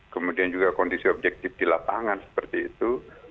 kemudian juga kondisi objektif di lapangan seperti itu